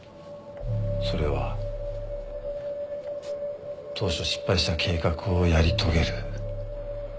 それは当初失敗した計画をやり遂げる。